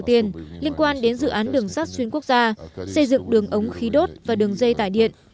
tiên liên quan đến dự án đường sắt xuyên quốc gia xây dựng đường ống khí đốt và đường dây tải điện